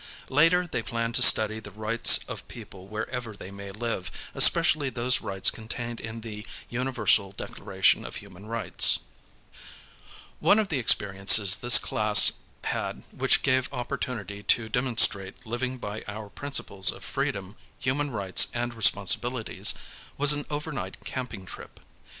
Later HOW CHILDREN LEARN ABOUT HUMAN RIGHTS 13 they plan to study the rights of people wherever they may live, especially those rights contained in the Universal Declaration of Human Rights. One of the experiences this class had which gave opportunity to demon strate living by our principles of freedom, human rights, and responsibilities, was an overnight camping trip.